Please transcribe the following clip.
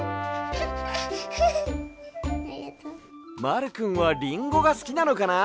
まるくんはリンゴがすきなのかな？